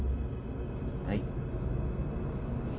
はい。